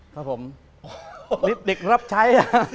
ครับผมนี่เด็กรับใช้